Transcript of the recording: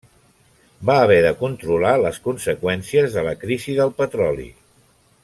Va haver de controlar les conseqüències de la crisi del petroli.